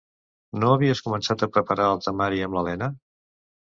No havies començat a preparar el temari amb l'Elena?